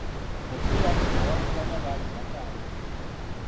Mu kiseera kino abavuganya bali bataano.